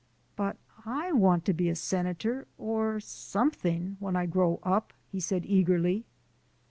"But I want to be a senator or something when I grow up," he said eagerly.